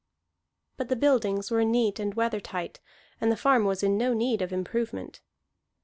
But the buildings were neat and weather tight, and the farm was in no need of improvement.